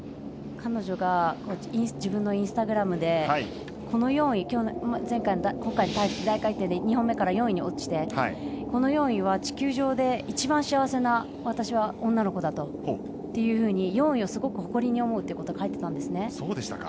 彼女が自分のインスタグラムでこの４位、今回大回転で２本目で落ちてこの４位は地球上で一番幸せな私は女の子だというふうに４位をすごく誇りに思うって書いてたんです。